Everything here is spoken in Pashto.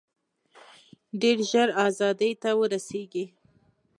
ډېر ژر آزادۍ ته ورسیږي.